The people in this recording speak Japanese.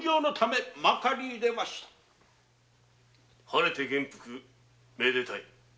晴れて元服めでたい。